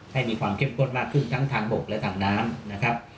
ให้มีความเข้มข้นมากขึ้นทั้งทางบกและทางน้ำนะครับ